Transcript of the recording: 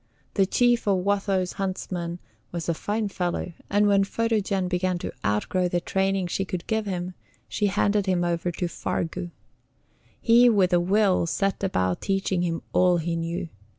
The chief of Watho's huntsmen was a fine fellow, and when Photogen began to outgrow the training she could give him, she handed him over to Fargu. He with a will set about teaching him all he knew.